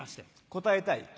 答えたい。